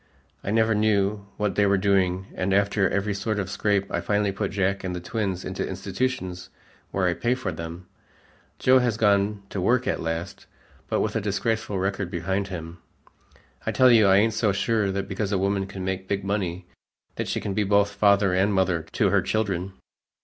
I never knew what they were doing, and after every sort of a scrape I finally put Jack and the twins into institutions where I pay for them. Joe has gone to work at last, but with a disgraceful record behind him. I tell you I ain't so sure that because a woman can make big money that she can be both father and mother to her children."